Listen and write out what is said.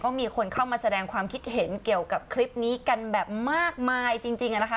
ก็มีคนเข้ามาแสดงความคิดเห็นเกี่ยวกับคลิปนี้กันแบบมากมายจริงนะคะ